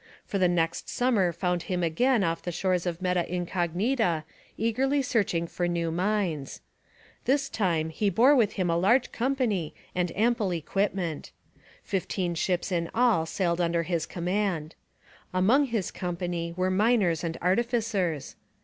For the next summer found him again off the shores of Meta Incognita eagerly searching for new mines. This time he bore with him a large company and ample equipment. Fifteen ships in all sailed under his command. Among his company were miners and artificers.